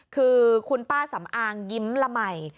คือคุณป้าสำอางยิ้มละใหม่